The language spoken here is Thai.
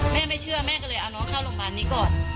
แม่ไม่เชื่อแม่ก็เลยเอาน้องเข้าโรงพยาบาลนี้ก่อน